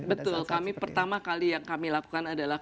betul kami pertama kali yang kami lakukan adalah